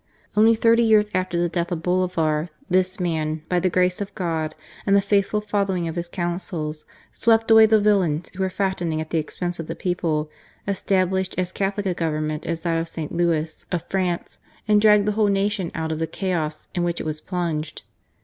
Only thirty years after the death of Bolivar, this man, by the grace of God and a faithful following of His counsels, swept away the villains who were fattening at the expense of the people, established as Catholic a Government as that of St. Louis of France and dragged the w^hole nation out of the chaos in which it was plunged.